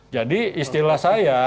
jadi istilah saya